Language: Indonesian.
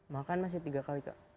makan masih tiga kali kak